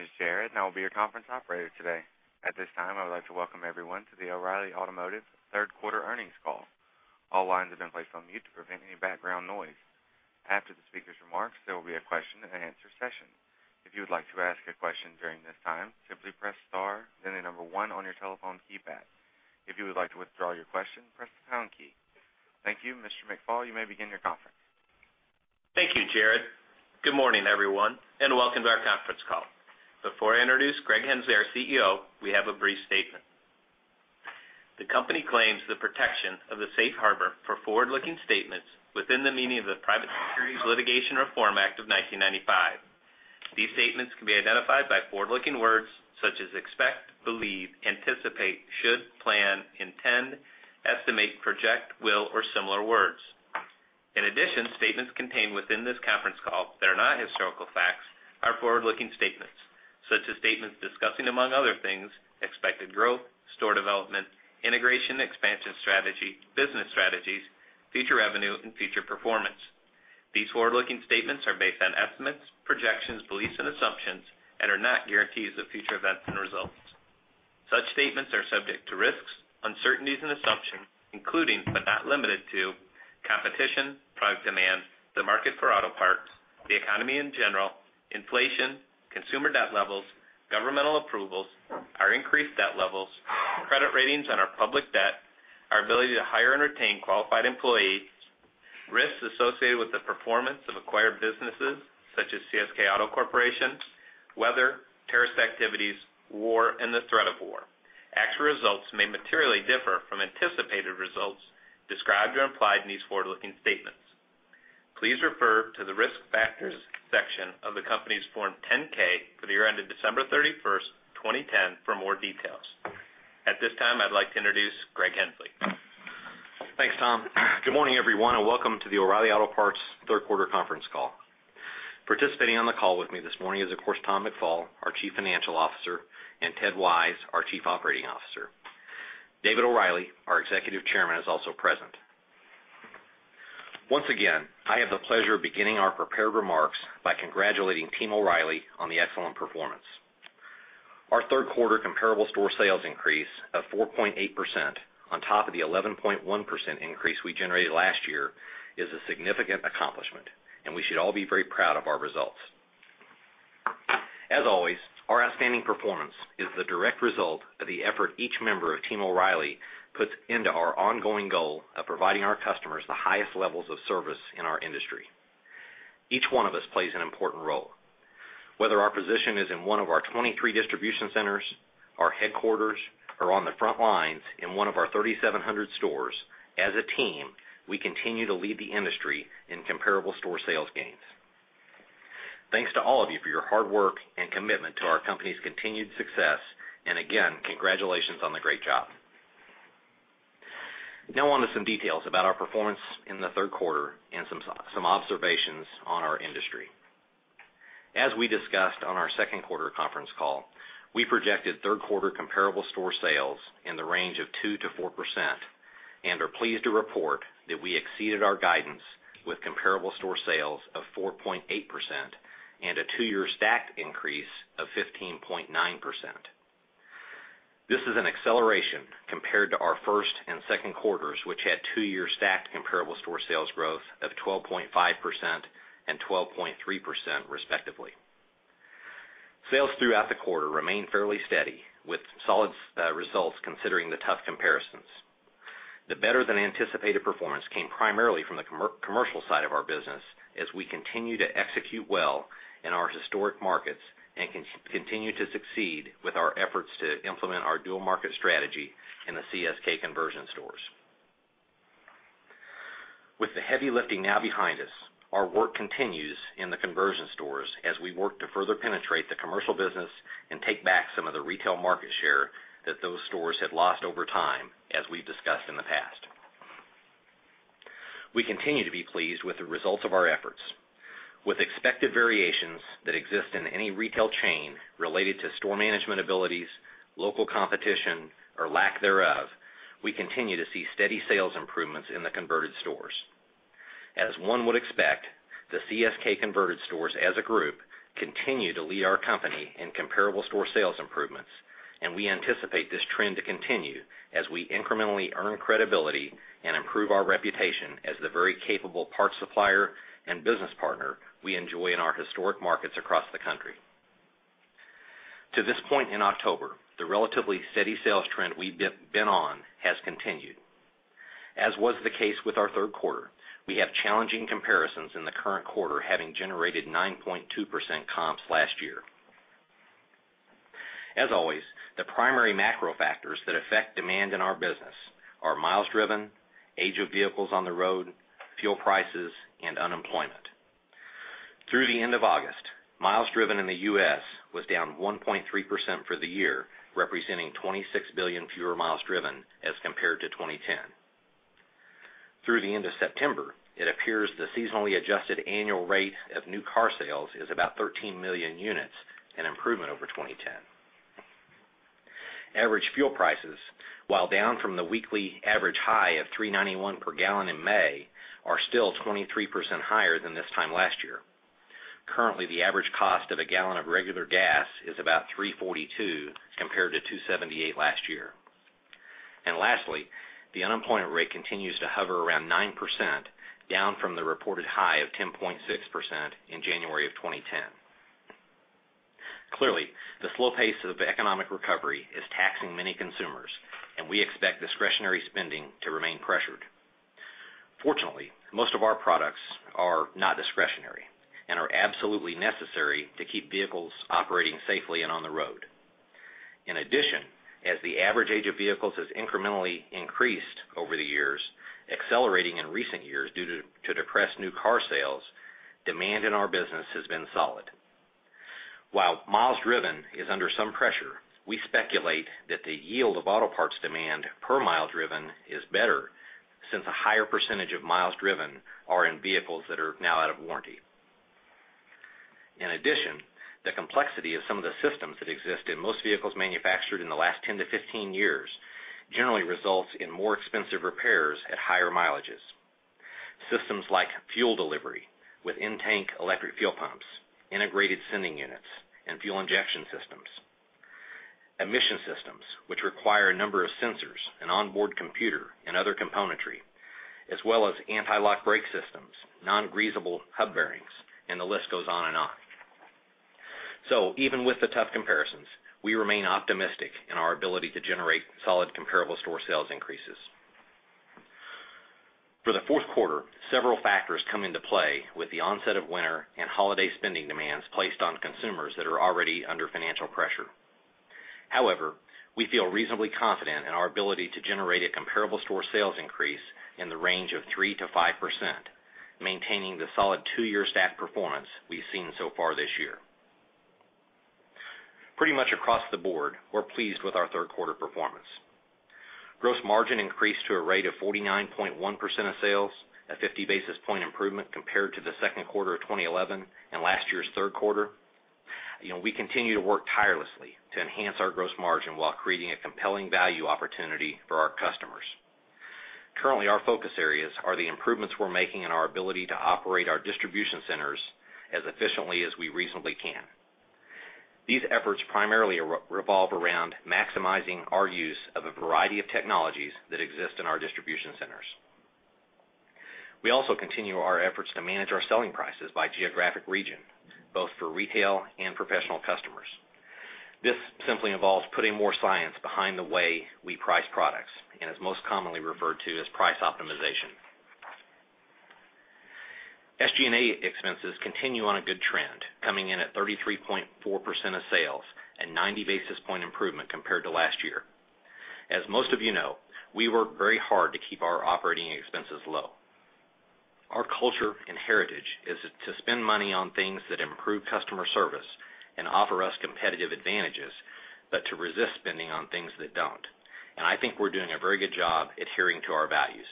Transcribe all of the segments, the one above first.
My name is Jared, and I will be your conference operator today. At this time, I would like to welcome everyone to the O'Reilly Automotive Third Quarter Earnings Call. All lines have been placed on mute to prevent any background noise. After the speaker's remarks, there will be a question-and-answer session. If you would like to ask a question during this time, simply press star and the number one on your telephone keypad. If you would like to withdraw your question, press the pound key. Thank you, Mr. McFall. You may begin your conference. Thank you, Jared. Good morning, everyone, and welcome to our conference call. Before I introduce Greg Henslee, our CEO, we have a brief statement. The company claims the protection of the safe harbor for forward-looking statements within the meaning of the Private Securities Litigation Reform Act of 1995. These statements can be identified by forward-looking words such as expect, believe, anticipate, should, plan, intend, estimate, project, will, or similar words. In addition, statements contained within this conference call that are not historical facts are forward-looking statements such as statements discussing, among other things, expected growth, store development, integration and expansion strategy, business strategies, future revenue, and future performance. These forward-looking statements are based on estimates, projections, beliefs, and assumptions and are not guarantees of future events and results. Such statements are subject to risks, uncertainties, and assumptions, including but not limited to competition, product demand, the market for auto parts, the economy in general, inflation, consumer debt levels, governmental approvals, our increased debt levels, credit ratings, and our public debt, our ability to hire and retain qualified employees, risks associated with the performance of acquired businesses such as CSK Auto Corporation, weather, terrorist activities, war, and the threat of war. Actual results may materially differ from anticipated results described or implied in these forward-looking statements. Please refer to the risk factors section of the company's Form 10-K for the year ended December 31st, 2010, for more details. At this time, I'd like to introduce Greg Henslee. Thanks, Tom. Good morning, everyone, and welcome to the O'Reilly Automotive Third Quarter Conference Call. Participating on the call with me this morning is, of course, Tom McFall, our Chief Financial Officer, and Ted Wise, our Chief Operating Officer. David O’Reilly, our Executive Chairman, is also present. Once again, I have the pleasure of beginning our prepared remarks by congratulating Team O’Reilly on the excellent performance. Our third quarter comparable store sales increase of 4.8% on top of the 11.1% increase we generated last year is a significant accomplishment, and we should all be very proud of our results. As always, our outstanding performance is the direct result of the effort each member of Team O’Reilly puts into our ongoing goal of providing our customers the highest levels of service in our industry. Each one of us plays an important role. Whether our position is in one of our 23 distribution centers, our headquarters, or on the front lines in one of our 3,700 stores, as a team, we continue to lead the industry in comparable store sales gains. Thanks to all of you for your hard work and commitment to our company’s continued success, and again, congratulations on the great job. Now on to some details about our performance in the third quarter and some observations on our industry. As we discussed on our second quarter conference call, we projected third quarter comparable store sales in the range of 2%-4% and are pleased to report that we exceeded our guidance with comparable store sales of 4.8% and a two-year stacked increase of 15.9%. This is an acceleration compared to our first and second quarters, which had two-year stacked comparable store sales growth of 12.5% and 12.3% rescpectively. Sales throughout the quarter remained fairly steady, with solid results considering the tough comparisons. The better-than-anticipated performance came primarily from the commercial side of our business as we continue to execute well in our historic markets and continue to succeed with our efforts to implement our dual market strategy in the CSK conversion stores. With the heavy lifting now behind us, our work continues in the conversion stores as we work to further penetrate the commercial business and take back some of the retail market share that those stores had lost over time, as we’ve discussed in the past. We continue to be pleased with the results of our efforts. With expected variations that exist in any retail chain related to store management abilities, local competition, or lack thereof, we continue to see steady sales improvements in the converted stores. As one would expect, the CSK converted stores as a group continue to lead our company in comparable store sales improvements, and we anticipate this trend to continue as we incrementally earn credibility and improve our reputation as the very capable parts supplier and business partner we enjoy in our historic markets across the country. To this point in October, the relatively steady sales trend we've been on has continued. As was the case with our third quarter, we have challenging comparisons in the current quarter, having generated 9.2% comps last year. As always, the primary macro factors that affect demand in our business are miles driven, age of vehicles on the road, fuel prices, and unemployment. Through the end of August, miles driven in the U.S. was down 1.3% for the year, representing 26 billion fewer miles driven as compared to 2010. Through the end of September, it appears the seasonally adjusted annual rate of new car sales is about 13 million units, an improvement over 2010. Average fuel prices, while down from the weekly average high of $3.91 per gallon in May, are still 23% higher than this time last year. Currently, the average cost of a gallon of regular gas is about $3.42 compared to $2.78 last year. Lastly, the unemployment rate continues to hover around 9%, down from the reported high of 10.6% in January of 2010. Clearly, the slow pace of economic recovery is taxing many consumers, and we expect discretionary spending to remain pressured. Fortunately, most of our products are not discretionary and are absolutely necessary to keep vehicles operating safely and on the road. In addition, as the average age of vehicles has incrementally increased over the years, accelerating in recent years due to depressed new car sales, demand in our business has been solid. While miles driven is under some pressure, we speculate that the yield of auto parts demand per mile driven is better since a higher percentage of miles driven are in vehicles that are now out of warranty. In addition, the complexity of some of the systems that exist in most vehicles manufactured in the last 10-15 years generally results in more expensive repairs at higher mileages. Systems like fuel delivery with in-tank electric fuel pumps, integrated sending units, and fuel injection systems. Emission systems, which require a number of sensors and onboard computer and other componentry, as well as anti-lock brake systems, non-greasable hub bearings, and the list goes on and on. Even with the tough comparisons, we remain optimistic in our ability to generate solid comparable store sales increases. For the fourth quarter, several factors come into play with the onset of winter and holiday spending demands placed on consumers that are already under financial pressure. However, we feel reasonably confident in our ability to generate a comparable store sales increase in the range of 3%-5%, maintaining the solid two-year stacked performance we've seen so far this year. Pretty much across the board, we're pleased with our third-quarter performance. Gross margin increased to a rate of 49.1% of sales, a 50 basis point improvement compared to the second quarter of 2011 and last year's third quarter. We continue to work tirelessly to enhance our gross margin while creating a compelling value opportunity for our customers. Currently, our focus areas are the improvements we're making in our ability to operate our distribution centers as efficiently as we reasonably can. These efforts primarily revolve around maximizing our use of a variety of technologies that exist in our distribution centers. We also continue our efforts to manage our selling prices by geographic region, both for retail and professional customers. This simply involves putting more science behind the way we price products and is most commonly referred to as price optimization. SG&A expenses continue on a good trend, coming in at 33.4% of sales, a 90 basis point improvement compared to last year. As most of you know, we work very hard to keep our operating expenses low. Our culture and heritage is to spend money on things that improve customer service and offer us competitive advantages, but to resist spending on things that don't. I think we're doing a very good job adhering to our values.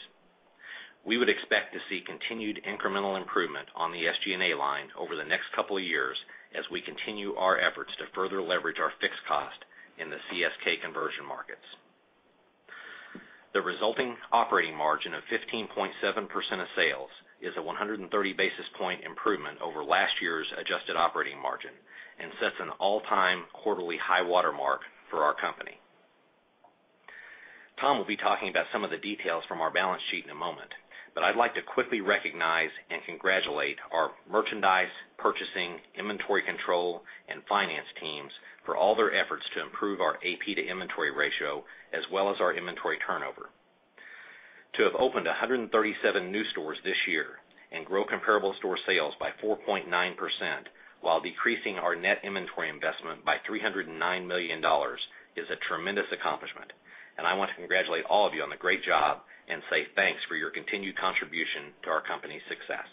We would expect to see continued incremental improvement on the SG&A line over the next couple of years as we continue our efforts to further leverage our fixed cost in the CSK conversion markets. The resulting operating margin of 15.7% of sales is a 130 basis point improvement over last year's adjusted operating margin and sets an all-time quarterly high watermark for our company. Tom will be talking about some of the details from our balance sheet in a moment, but I'd like to quickly recognize and congratulate our merchandise, purchasing, inventory control, and finance teams for all their efforts to improve our AP to inventory ratio as well as our inventory turnover. To have opened 137 new stores this year and grow comparable store sales by 4.9% while decreasing our net inventory investment by $309 million is a tremendous accomplishment. I want to congratulate all of you on the great job and say thanks for your continued contribution to our company's success.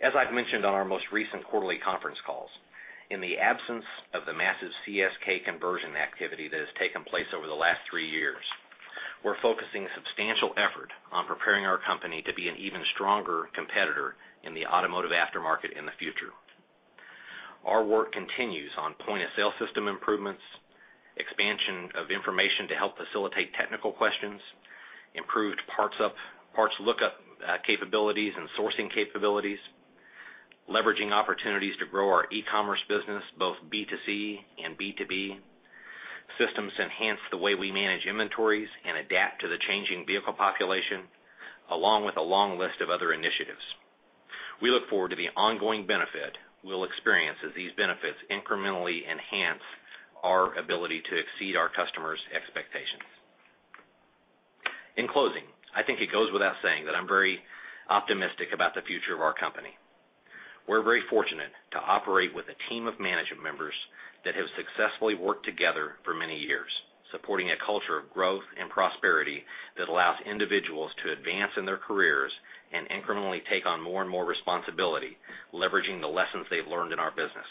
As I've mentioned on our most recent quarterly conference calls, in the absence of the massive CSK conversion activity that has taken place over the last three years, we're focusing substantial effort on preparing our company to be an even stronger competitor in the automotive aftermarket in the future. Our work continues on point-of-sale system improvements, expansion of information to help facilitate technical questions, improved parts lookup capabilities and sourcing capabilities, leveraging opportunities to grow our e-commerce business, both B2C and B2B. Systems enhance the way we manage inventories and adapt to the changing vehicle population, along with a long list of other initiatives. We look forward to the ongoing benefit we'll experience as these benefits incrementally enhance our ability to exceed our customers' expectations. In closing, I think it goes without saying that I'm very optimistic about the future of our company. We're very fortunate to operate with a team of management members that have successfully worked together for many years, supporting a culture of growth and prosperity that allows individuals to advance in their careers and incrementally take on more and more responsibility, leveraging the lessons they've learned in our business.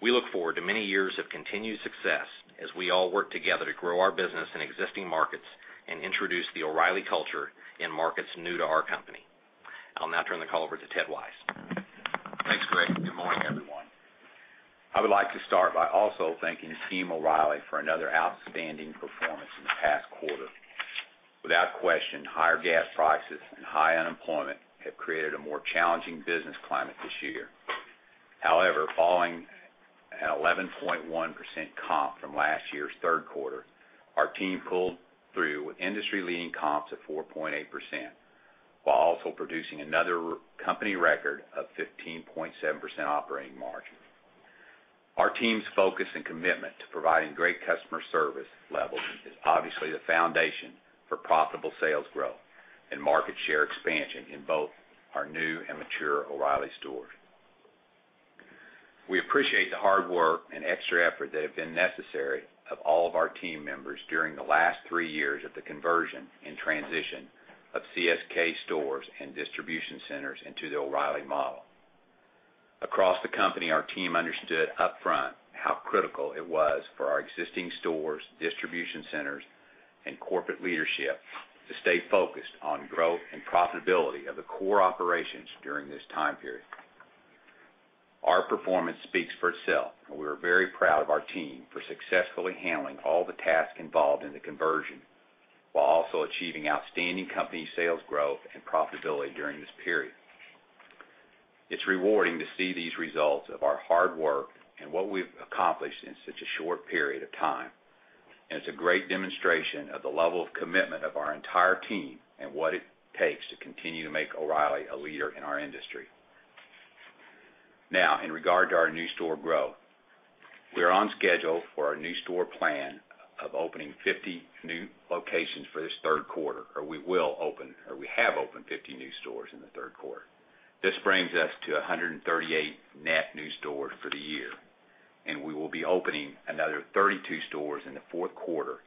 We look forward to many years of continued success as we all work together to grow our business in existing markets and introduce the O'Reilly culture in markets new to our company. I'll now turn the call over to Ted Wise. Thanks, Greg. Good morning, everyone. I would like to start by also thanking Team O'Reilly for another outstanding performance in the past quarter. Without question, higher gas prices and high unemployment have created a more challenging business climate this year. However, following an 11.1% comp from last year's third quarter, our team pulled through with industry-leading comps of 4.8% while also producing another company record of 15.7% operating margin. Our team's focus and commitment to providing great customer service levels is obviously the foundation for profitable sales growth and market share expansion in both our new and mature O'Reilly stores. We appreciate the hard work and extra effort that have been necessary of all of our team members during the last three years of the conversion and transition of CSK stores and distribution centers into the O'Reilly model. Across the company, our team understood upfront how critical it was for our existing stores, distribution centers, and corporate leadership to stay focused on growth and profitability of the core operations during this time period. Our performance speaks for itself, and we are very proud of our team for successfully handling all the tasks involved in the conversion while also achieving outstanding company sales growth and profitability during this period. It's rewarding to see these results of our hard work and what we've accomplished in such a short period of time. It's a great demonstration of the level of commitment of our entire team and what it takes to continue to make O'Reilly a leader in our industry. Now, in regard to our new store growth, we are on schedule for our new store plan of opening 50 new locations for this third quarter, or we will open, or we have opened 50 new stores in the third quarter. This brings us to 138 net new stores for the year, and we will be opening another 32 stores in the fourth quarter,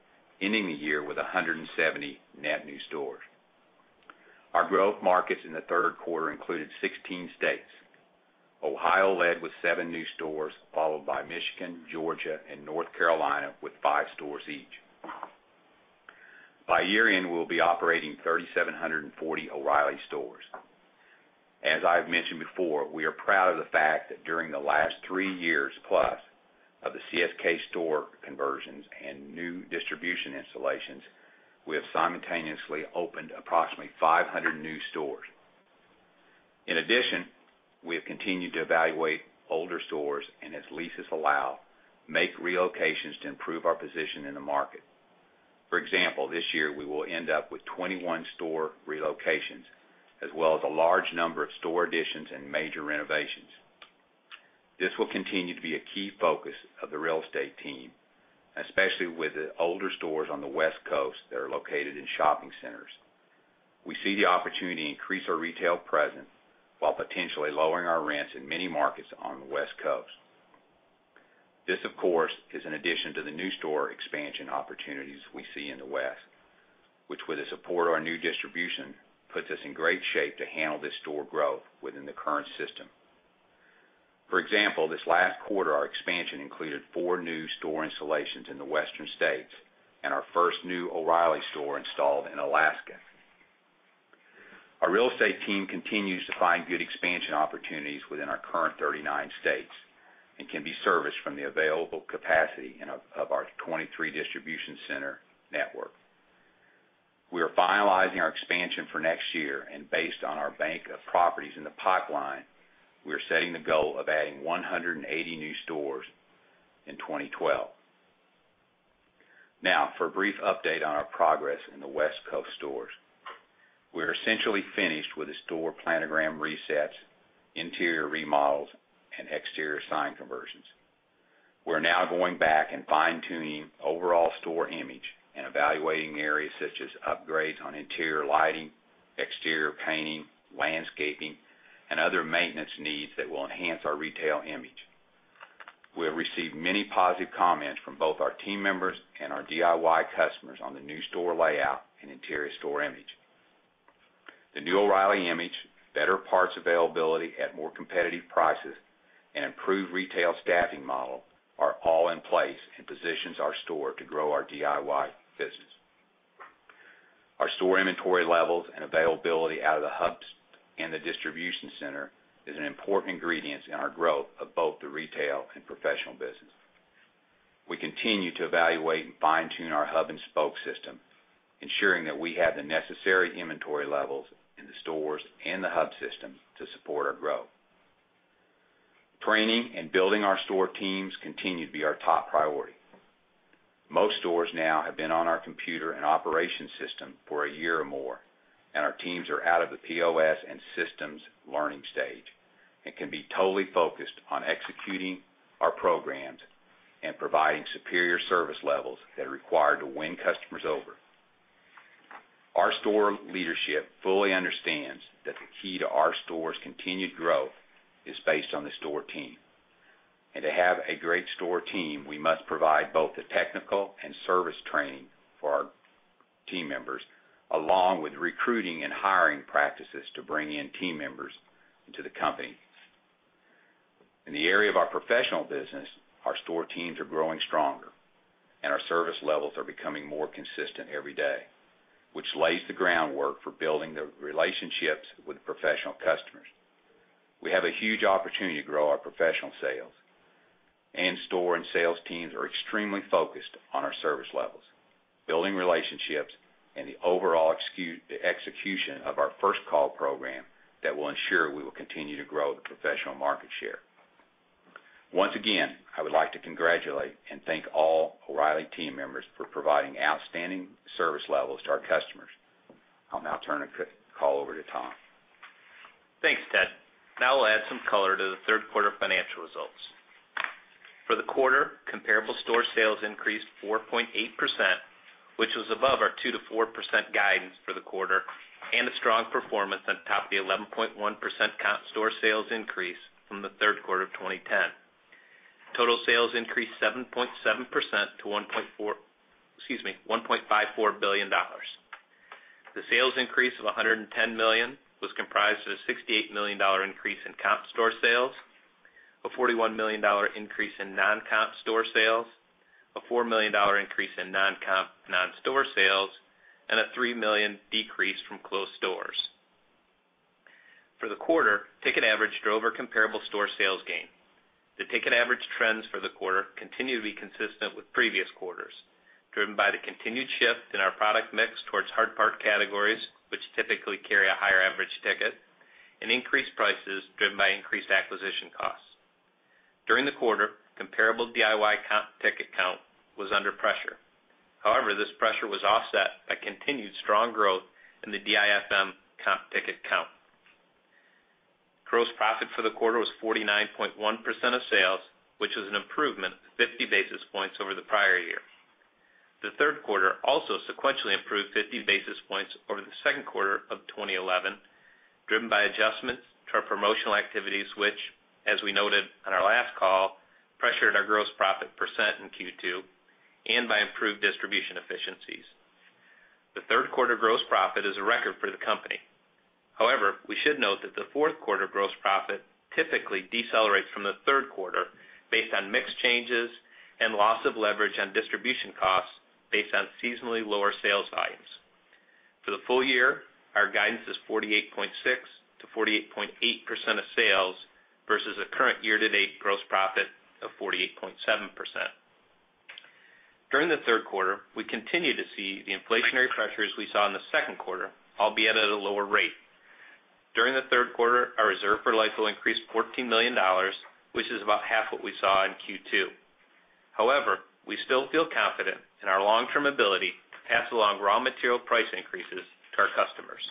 ending the year with 170 net new stores. Our growth markets in the third quarter included 16 states. Ohio led with seven new stores, followed by Michigan, Georgia, and North Carolina with five stores each. By year-end, we'll be operating 3,740 O'Reilly stores. As I have mentioned before, we are proud of the fact that during the last 3+ years of the CSK store conversions and new distribution installations, we have simultaneously opened approximately 500 new stores. In addition, we have continued to evaluate older stores and, as leases allow, make relocations to improve our position in the market. For example, this year we will end up with 21 store relocations, as well as a large number of store additions and major renovations. This will continue to be a key focus of the Real Estate team, especially with the older stores on the West Coast that are located in shopping centers. We see the opportunity to increase our retail presence while potentially lowering our rents in many markets on the West Coast. This, of course, is in addition to the new store expansion opportunities we see in the West, which, with the support of our new distribution, puts us in great shape to handle this store growth within the current system. For example, this last quarter, our expansion included four new store installations in the Western states and our first new O'Reilly store installed in Alaska. Our Real Estate team continues to find good expansion opportunities within our current 39 states and can be serviced from the available capacity of our 23 distribution center network. We are finalizing our expansion for next year, and based on our bank of properties in the pipeline, we are setting the goal of adding 180 new stores in 2012. Now, for a brief update on our progress in the West Coast stores, we are essentially finished with the store planogram resets, interior remodels, and exterior sign conversions. We're now going back and fine-tuning overall store image and evaluating areas such as upgrades on interior lighting, exterior painting, landscaping, and other maintenance needs that will enhance our retail image. We have received many positive comments from both our team members and our DIY customers on the new store layout and interior store image. The new O'Reilly image, better parts availability at more competitive prices, and improved retail staffing model are all in place and position our store to grow our DIY business. Our store inventory levels and availability out of the hubs and the distribution center is an important ingredient in our growth of both the retail and professional business. We continue to evaluate and fine-tune our hub and spoke system, ensuring that we have the necessary inventory levels in the stores and the hub systems to support our growth. Training and building our store teams continue to be our top priority. Most stores now have been on our computer and operations system for a year or more, and our teams are out of the POS and systems learning stage and can be totally focused on executing our programs and providing superior service levels that are required to win customers over. Our store leadership fully understands that the key to our store's continued growth is based on the store team. To have a great store team, we must provide both the technical and service training for our team members, along with recruiting and hiring practices to bring in team members into the company. In the area of our professional business, our store teams are growing stronger, and our service levels are becoming more consistent every day, which lays the groundwork for building the relationships with professional customers. We have a huge opportunity to grow our professional sales, and store and sales teams are extremely focused on our service levels, building relationships, and the overall execution of our first call program that will ensure we will continue to grow the professional market share. Once again, I would like to congratulate and thank all O'Reilly team members for providing outstanding service levels to our customers. I'll now turn the call over to Tom. Thanks, Ted. Now we'll add some color to the third quarter financial results. For the quarter, comparable store sales increased 4.8%, which was above our 2%-4% guidance for the quarter, and a strong performance on top of the 11.1% store sales increase from the third quarter of 2010. Total sales increased 7.7% to $1.54 billion. The sales increase of $110 million was comprised of a $68 million increase in comp store sales, a $41 million increase in non-comp store sales, a $4 million increase in non-comp non-store sales, and a $3 million decrease from closed stores. For the quarter, ticket average drove our comparable store sales gain. The ticket average trends for the quarter continue to be consistent with previous quarters, driven by the continued shift in our product mix towards hard part categories, which typically carry a higher average ticket, and increased prices driven by increased acquisition costs. During the quarter, comparable DIY comp ticket count was under pressure. However, this pressure was offset by continued strong growth in the DIFM comp ticket count. Gross profit for the quarter was 49.1% of sales, which was an improvement of 50 basis points over the prior year. The third quarter also sequentially improved 50 basis points over the second quarter of 2011, driven by adjustments to our promotional activities, which, as we noted on our last call, pressured our gross profit percent in Q2 and by improved distribution efficiencies. The third quarter gross profit is a record for the company. However, we should note that the fourth quarter gross profit typically decelerates from the third quarter based on mix changes and loss of leverage on distribution costs based on seasonally lower sales volumes. For the full year, our guidance is 48.6%-48.8% of sales versus the current year-to-date gross profit of 48.7%. During the third quarter, we continue to see the inflationary pressures we saw in the second quarter, albeit at a lower rate. During the third quarter, our reserve for LIFO will increase $14 million, which is about half what we saw in Q2. However, we still feel confident in our long-term ability to pass along raw material price increases to our customers.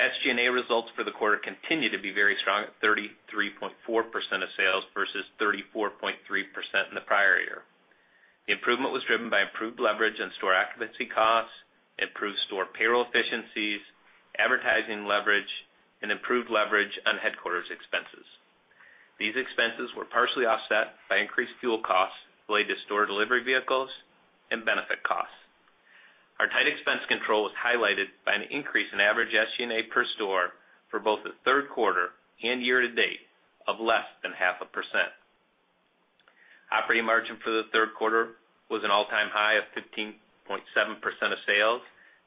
SG&A results for the quarter continue to be very strong at 33.4% of sales versus 34.3% in the prior year. The improvement was driven by improved leverage in store occupancy costs, improved store payroll efficiencies, advertising leverage, and improved leverage on headquarters expenses. These expenses were partially offset by increased fuel costs related to store delivery vehicles and benefit costs. Our tight expense control was highlighted by an increase in average SG&A per store for both the third quarter and year-to-date of less than 0.5%. Operating margin for the third quarter was an all-time high of 15.7% of sales,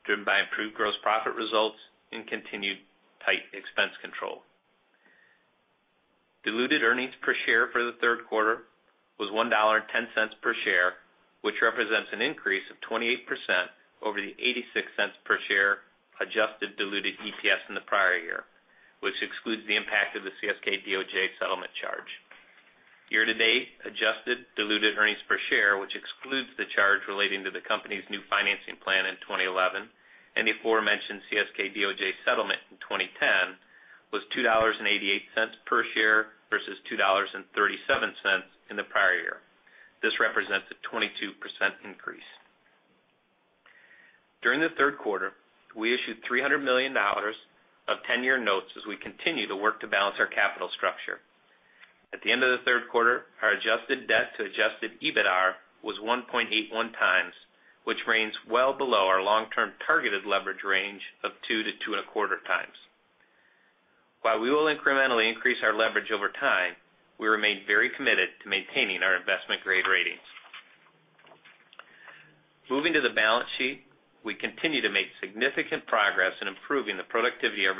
driven by improved gross profit results and continued tight expense control. Diluted earnings per share for the third quarter was $1.10 per share, which represents an increase of 28% over the $0.86 per share adjusted diluted EPS in the prior year, which excludes the impact of the CSK DOJ settlement charge. Year-to-date adjusted diluted earnings per share, which excludes the charge relating to the company's new financing plan in 2011 and the aforementioned CSK DOJ settlement in 2010, was $2.88 per share versus $2.37 in the prior year. This represents a 22% increase. During the third quarter, we issued $300 million of 10-year notes as we continue to work to balance our capital structure. At the end of the third quarter, our adjusted debt to adjusted EBITDA was 1.81x, which remains well below our long-term targeted leverage range of 2x-2.25x. While we will incrementally increase our leverage over time, we remain very committed to maintaining our investment-grade ratings. Moving to the balance sheet, we continue to make significant progress in improving the productivity of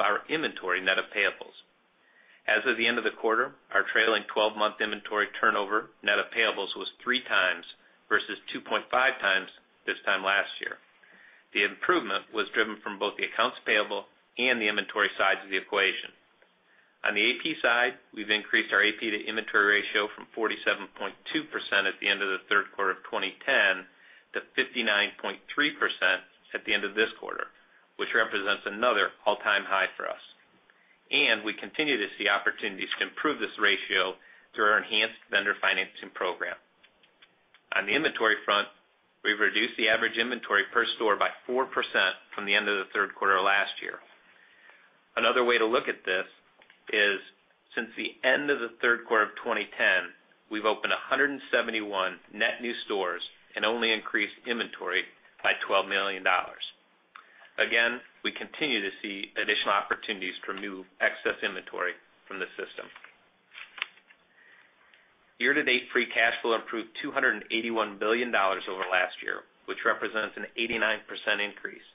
our inventory net of payables. As of the end of the quarter, our trailing 12-month inventory turnover net of payables was 3x versus 2.5x this time last year. The improvement was driven from both the accounts payable and the inventory sides of the equation. On the AP side, we've increased our AP-to-inventory ratio from 47.2% at the end of the third quarter of 2010 to 59.3% at the end of this quarter, which represents another all-time high for us. We continue to see opportunities to improve this ratio through our enhanced vendor financing program. On the inventory front, we've reduced the average inventory per store by 4% from the end of the third quarter of last year. Another way to look at this is since the end of the third quarter of 2010, we've opened 171 net new stores and only increased inventory by $12 million. Again, we continue to see additional opportunities to remove excess inventory from the system. Year-to-date free cash flow improved $281 million over last year, which represents an 89% increase.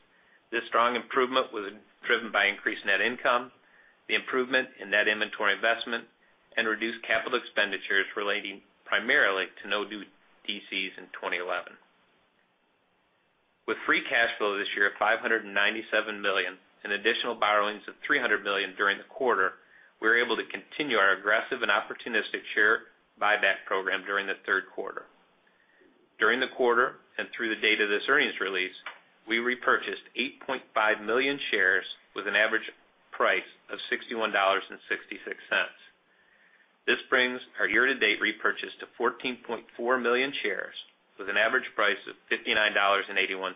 This strong improvement was driven by increased net income, the improvement in net inventory investment, and reduced capital expenditures relating primarily to no new DCs in 2011. With free cash flow this year of $597 million and additional borrowings of $300 million during the quarter, we're able to continue our aggressive and opportunistic share buyback program during the third quarter. During the quarter and through the date of this earnings release, we repurchased 8.5 million shares with an average price of $61.66. This brings our year-to-date repurchase to 14.4 million shares with an average price of $59.81.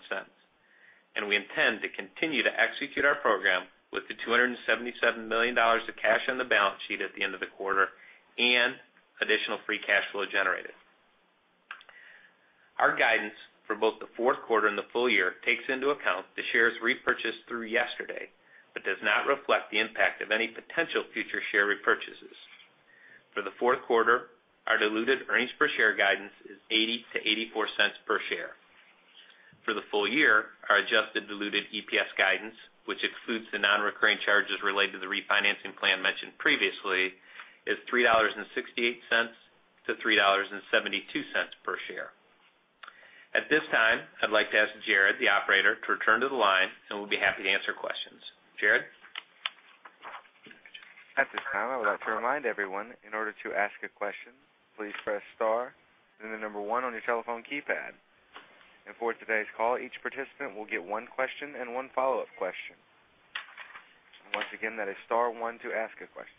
We intend to continue to execute our program with the $277 million of cash on the balance sheet at the end of the quarter and additional free cash flow generated. Our guidance for both the fourth quarter and the full year takes into account the shares repurchased through yesterday but does not reflect the impact of any potential future share repurchases. For the fourth quarter, our diluted earnings per share guidance is $0.80-$0.84 per share. For the full year, our adjusted diluted EPS guidance, which excludes the non-recurring charges related to the refinancing plan mentioned previously, is $3.68-$3.72 per share. At this time, I'd like to ask Jared, the operator, to return to the line, and we'll be happy to answer questions. Jared? At this time, I would like to remind everyone, in order to ask a question, please press star and then the number one on your telephone keypad. For today's call, each participant will get one question and one follow-up question. Once again, that is star one to ask a question.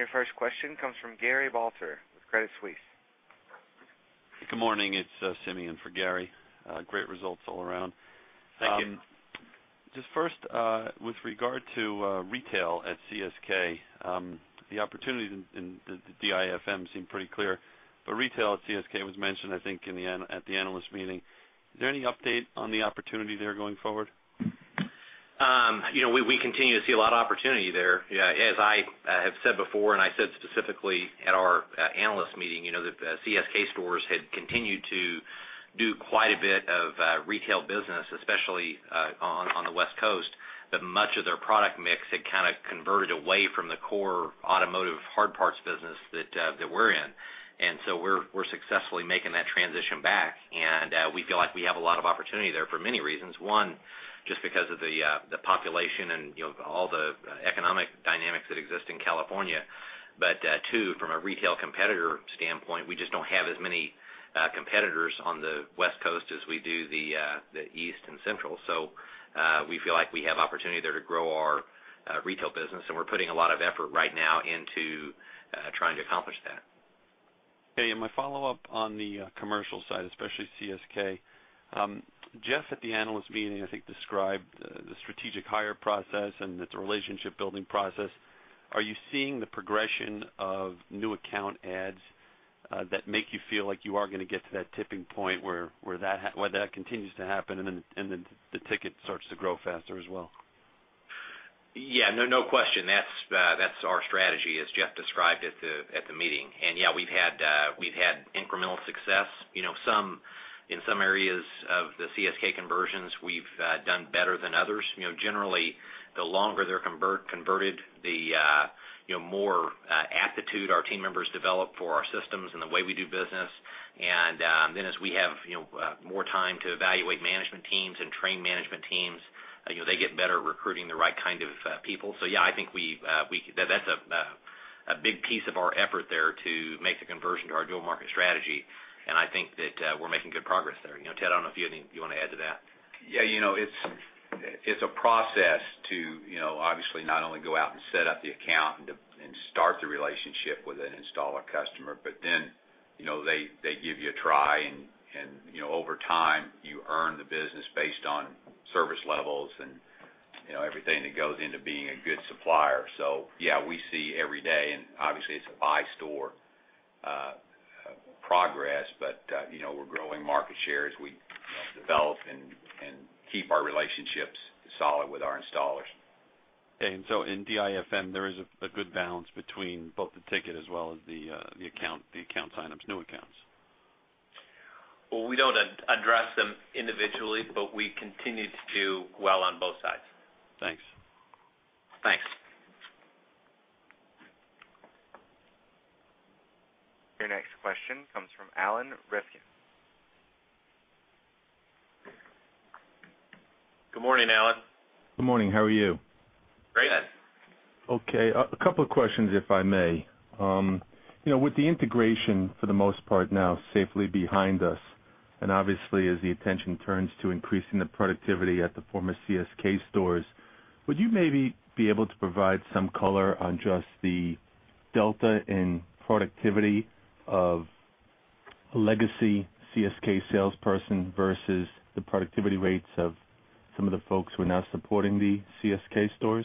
Your first question comes from Gary Balter with Credit Suisse. Good morning. It's Simeon for Gary. Great results all around. Thank you. First, with regard to retail at CSK Auto Corporation, the opportunities in the DIFM seem pretty clear. Retail at CSK was mentioned, I think, at the analyst meeting. Is there any update on the opportunity there going forward? We continue to see a lot of opportunity there. As I have said before, and I said specifically at our analyst meeting, the CSK stores had continued to do quite a bit of retail business, especially on the West Coast, but much of their product mix had kind of converted away from the core automotive hard parts business that we're in. We are successfully making that transition back, and we feel like we have a lot of opportunity there for many reasons. One, just because of the population and all the economic dynamics that exist in California. Two, from a retail competitor standpoint, we just don't have as many competitors on the West Coast as we do the East and Central. We feel like we have opportunity there to grow our retail business, and we're putting a lot of effort right now into trying to accomplish that. In my follow-up on the commercial side, especially CSK, Jeff at the analyst meeting, I think, described the strategic hire process and its relationship-building process. Are you seeing the progression of new account adds that make you feel like you are going to get to that tipping point where that continues to happen and then the ticket starts to grow faster as well? Yeah, no question. That's our strategy, as Jeff described at the meeting. We've had incremental success. In some areas of the CSK conversions, we've done better than others. Generally, the longer they're converted, the more aptitude our team members develop for our systems and the way we do business. As we have more time to evaluate management teams and train management teams, they get better at recruiting the right kind of people. I think that's a big piece of our effort there to make the conversion to our dual market strategy. I think that we're making good progress there. Ted, I don't know if you have anything you want to add to that. Yeah, you know, it's a process to obviously not only go out and set up the account and start the relationship with an installer customer, but then they give you a try. You know, over time, you earn the business based on service levels and everything that goes into being a good supplier. We see every day, and obviously, it's a by-store progress, but we're growing market share as we develop and keep our relationships solid with our installers. In DIFM, there is a good balance between both the ticket as well as the accounts items, new accounts? We don't address them individually, but we continue to do well on both sides. Thanks. Thanks. Your next question comes from Alan Rifkin. Good morning, Alan. Good morning. How are you? Great. Good. Okay. A couple of questions, if I may. With the integration for the most part now safely behind us, and obviously, as the attention turns to increasing the productivity at the former CS stores, would you maybe be able to provide some color on just the delta in productivity of a legacy CSK salesperson versus the productivity rates of some of the folks who are now supporting the CSK stores?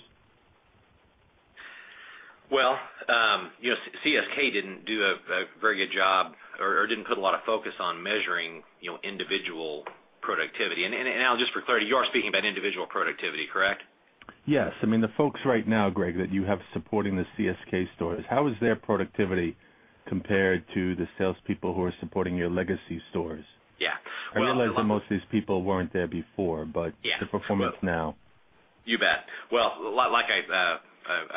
CSK didn't do a very good job or didn't put a lot of focus on measuring individual productivity. Alan, just for clarity, you are speaking about individual productivity, correct? Yes. I mean, the folks right now, Greg, that you have supporting the CSK stores, how is their productivity compared to the salespeople who are supporting your legacy stores? Yeah. I realize that most of these people weren't there before, but their performance now. You bet. Like I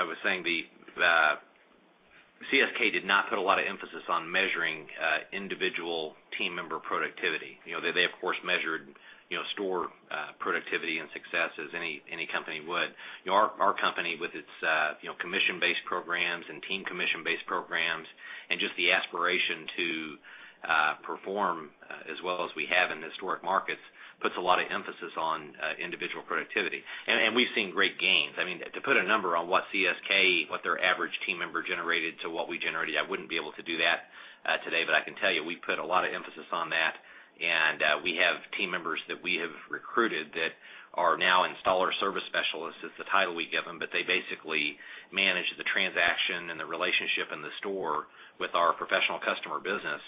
was saying, CSK did not put a lot of emphasis on measuring individual team member productivity. They, of course, measured store productivity and success as any company would. Our company, with its commission-based programs and team commission-based programs and just the aspiration to perform as well as we have in the historic markets, puts a lot of emphasis on individual productivity. We've seen great gains. To put a number on what CSK, what their average team member generated to what we generated, I wouldn't be able to do that today, but I can tell you we've put a lot of emphasis on that. We have team members that we have recruited that are now Installer Service Specialists, which is the title we give them, but they basically manage the transaction and the relationship in the store with our professional customer business.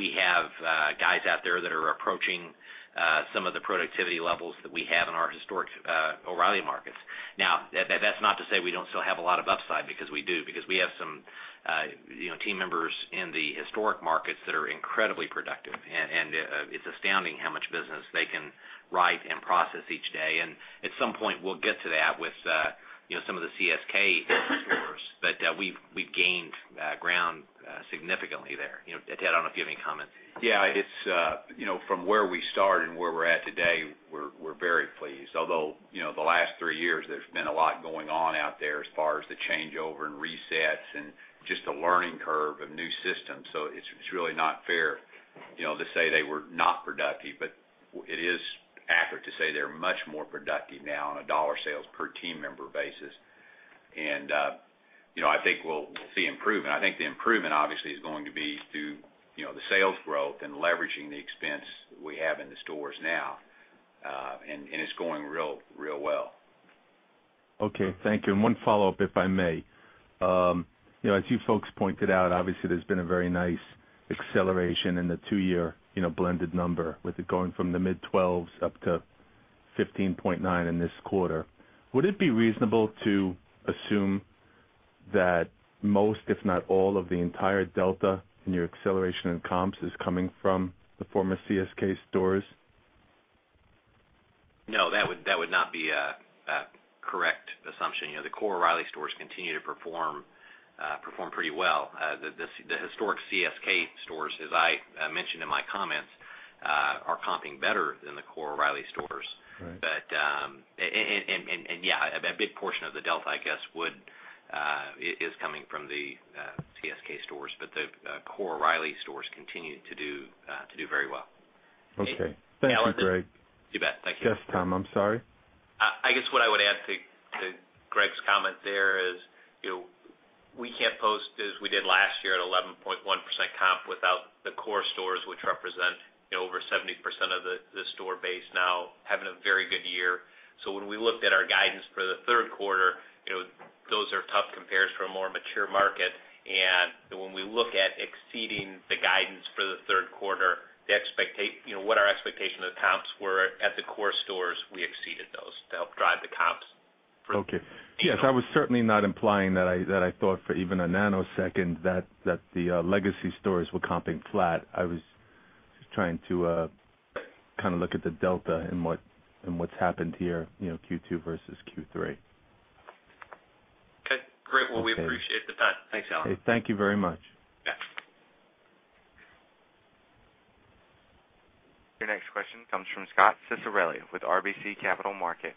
We have guys out there that are approaching some of the productivity levels that we have in our historic O'Reilly markets. That's not to say we don't still have a lot of upside because we do, because we have some team members in the historic markets that are incredibly productive. It's astounding how much business they can write and process each day. At some point, we'll get to that with some of the CSK stores, but we've gained ground significantly there. Ted, I don't know if you have any comments. Yeah, from where we start and where we're at today, we're very pleased. Although the last three years, there's been a lot going on out there as far as the changeover and resets and just a learning curve of new systems. It's really not fair to say they were not productive, but it is accurate to say they're much more productive now on a dollar sales per team member basis. I think we'll see improvement. I think the improvement obviously is going to be through the sales growth and leveraging the expense we have in the stores now. It's going real, real well. Okay. Thank you. One follow-up, if I may. As you folks pointed out, obviously, there's been a very nice acceleration in the two-year blended number with it going from the mid-12% up to 15.9% in this quarter. Would it be reasonable to assume that most, if not all, of the entire delta in your acceleration in comps is coming from the former CSK stores? No, that would not be a correct assumption. You know, the core O'Reilly stores continue to perform pretty well. The historic CSK stores, as I mentioned in my comments, are comping better than the core O'Reilly stores. Yeah, a big portion of the delta, I guess, is coming from the CSK stores, but the core O'Reilly stores continue to do very well. Okay, thanks, Greg. Alan, too bad. Thank you. Tom. I'm sorry. I guess what I would add to Greg's comment there is, you know, we can't post as we did last year at 11.1% comp without the core stores, which represent, you know, over 70% of the store base now having a very good year. When we looked at our guidance for the third quarter, those are tough compared to a more mature market. When we look at exceeding the guidance for the third quarter, the expectation, you know, what our expectation of the comps were at the core stores, we exceeded those to help drive the comps for. Okay. I was certainly not implying that I thought for even a nanosecond that the legacy stores were comping flat. I was just trying to kind of look at the delta and what's happened here, you know, Q2 versus Q3. Okay. Great. We appreciate the pen. Thanks, Alan. Hey, thank you very much. Yes. Your next question comes from Scot Ciccarelli with RBC Capital Markets.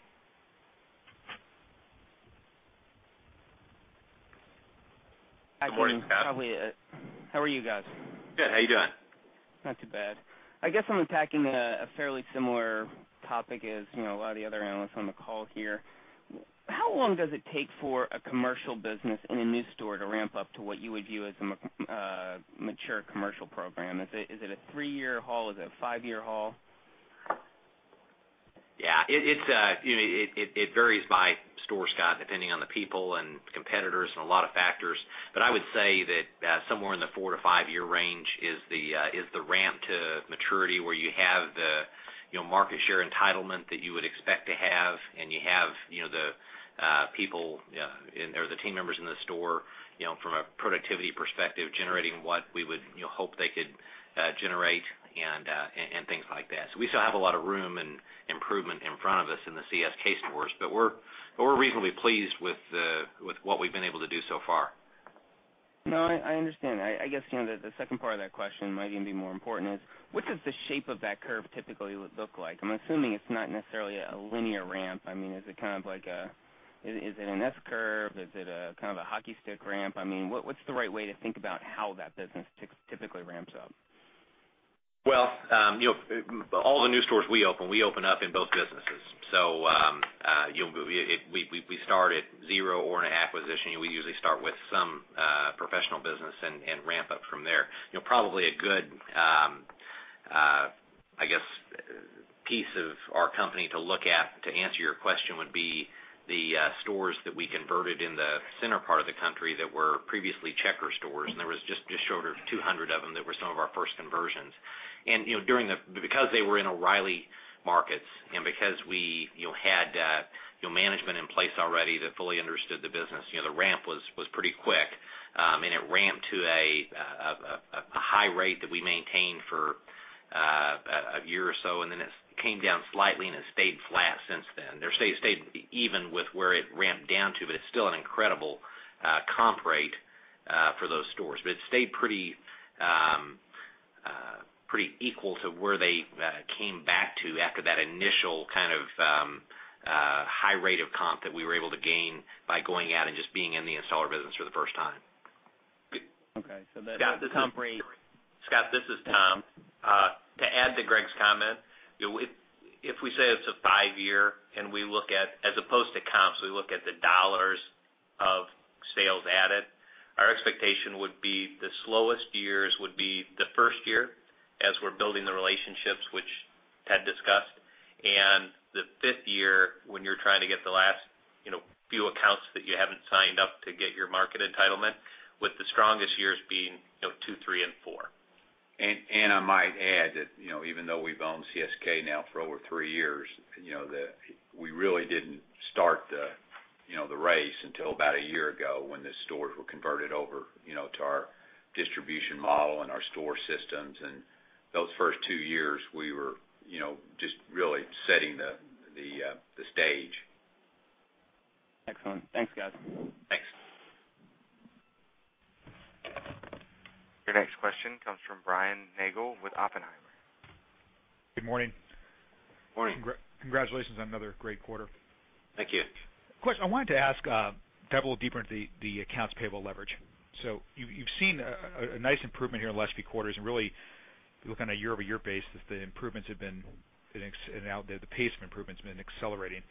Hi, good morning, Scot. Hi, Scot. How are you guys? Good. How are you doing? Not too bad. I guess I'm attacking a fairly similar topic as a lot of the other analysts on the call here. How long does it take for a commercial business in a new store to ramp up to what you would view as a mature commercial program? Is it a three-year haul? Is it a five-year haul? Yeah, it varies by store, Scot, depending on the people and competitors and a lot of factors. I would say that somewhere in the four to five-year range is the ramp to maturity where you have the market share entitlement that you would expect to have, and you have the people in there or the team members in the store, from a productivity perspective, generating what we would hope they could generate and things like that. We still have a lot of room and improvement in front of us in the CSK stores, but we're reasonably pleased with what we've been able to do so far. No, I understand. I guess the second part of that question might even be more important. What does the shape of that curve typically look like? I'm assuming it's not necessarily a linear ramp. Is it kind of like an S-curve? Is it a kind of a hockey stick ramp? What's the right way to think about how that business typically ramps up? All the new stores we open, we open up in both businesses. We start at zero or an acquisition. We usually start with some professional business and ramp up from there. Probably a good, I guess, piece of our company to look at to answer your question would be the stores that we converted in the center part of the country that were previously checker stores. There was just short of 200 of them that were some of our first conversions. Because they were in O'Reilly markets and because we had management in place already that fully understood the business, the ramp was pretty quick. It ramped to a high rate that we maintained for a year or so, and then it came down slightly and it stayed flat since then. They're staying even with where it ramped down to, but it's still an incredible comp rate for those stores. It stayed pretty equal to where they came back to after that initial kind of high rate of comp that we were able to gain by going out and just being in the installer business for the first time. Okay, that's the comp rate. Scot, this is Tom. To add to Greg's comment, if we say it's a five-year and we look at, as opposed to comps, we look at the dollars of sales added, our expectation would be the slowest years would be the first year as we're building the relationships, which Ted discussed, and the fifth year when you're trying to get the last few accounts that you haven't signed up to get your market entitlement, with the strongest years being two, three, and four. I might add that, even though we've owned CSK now for over three years, we really didn't start the race until about a year ago when the stores were converted over to our distribution model and our store systems. Those first two years, we were just really setting the stage. Excellent. Thanks, Scot. Thanks. Your next question comes from Brian Nagel with Oppenheimer. Good morning. Morning. Congratulations on another great quarter. Thank you. Question. I wanted to ask to have a little deeper into the accounts payable leverage. You've seen a nice improvement here in the last few quarters, and really, if you look on a year-over-year basis, the improvements have been in and out there, the pace of improvements has been accelerating.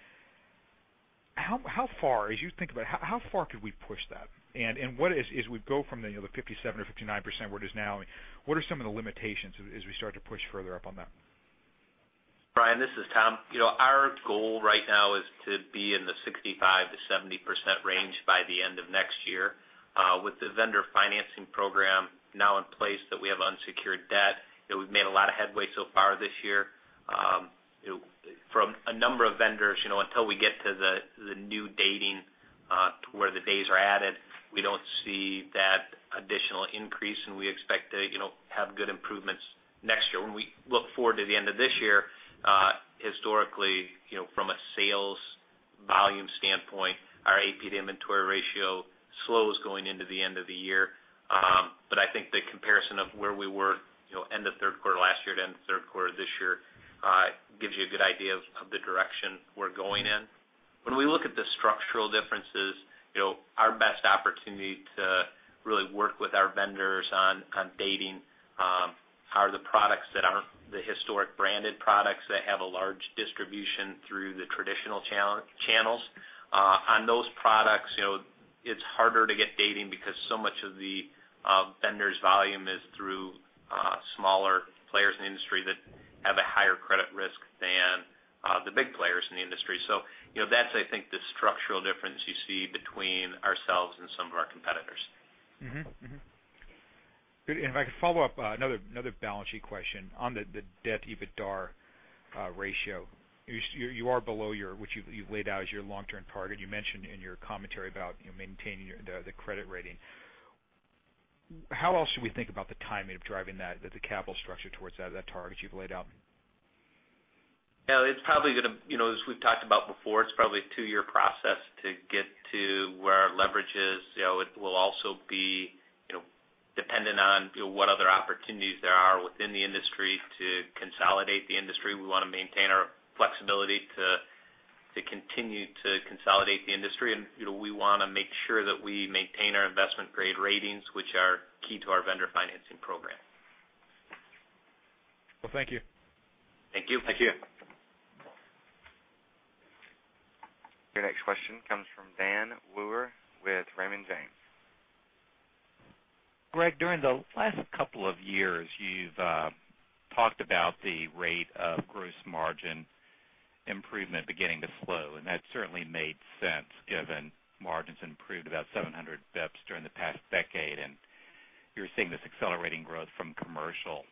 How far, as you think about it, how far could we push that? What is, as we go from the 57% or 59% where it is now, what are some of the limitations as we start to push further up on that? Brian, this is Tom. Our goal right now is to be in the 65%-70% range by the end of next year. With the vendor financing program now in place and unsecured debt, we've made a lot of headway so far this year. From a number of vendors, until we get to the new dating where the days are added, we don't see that additional increase, and we expect to have good improvements next year. When we look forward to the end of this year, historically, from a sales volume standpoint, our AP to inventory ratio slows going into the end of the year. I think the comparison of where we were at the end of third quarter last year to the end of third quarter this year gives you a good idea of the direction we're going in. When we look at the structural differences, our best opportunity to really work with our vendors on dating is with the products that aren't the historic branded products that have a large distribution through the traditional channels. On those products, it's harder to get dating because so much of the vendors' volume is through smaller players in the industry that have a higher credit risk than the big players in the industry. That's the structural difference you see between ourselves and some of our competitors. Good. If I could follow up another balance sheet question on the adjusted debt to EBITDA ratio. You are below your, which you've laid out as your long-term target. You mentioned in your commentary about maintaining the credit rating. How else should we think about the timing of driving that, the capital structure towards that target you've laid out? Yeah, it's probably going to, you know, as we've talked about before, it's probably a two-year process to get to where our leverage is. It will also be, you know, dependent on, you know, what other opportunities there are within the industry to consolidate the industry. We want to maintain our flexibility to continue to consolidate the industry. You know, we want to make sure that we maintain our investment-grade ratings, which are key to our vendor financing program. Thank you. Thank you. Thank you. Your next question comes from Dan Wewer with Raymond James. Greg, during the last couple of years, you've talked about the rate of gross margin improvement beginning to flow, and that certainly made sense given margins improved about 700 bps during the past decade. You're seeing this accelerating growth from commercial.